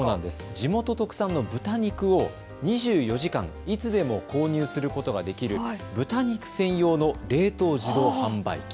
地元特産の豚肉を２４時間いつでも購入することができる豚肉専用の冷凍自動販売機。